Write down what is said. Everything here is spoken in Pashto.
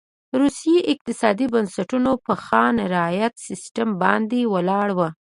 روسي اقتصادي بنسټونه په خان رعیت سیستم باندې ولاړ و.